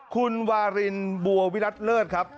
คุณวารินบัววิรัติเลิศครับ